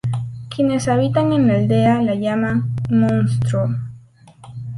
Quienes habitan en la aldea la llaman "monstruo".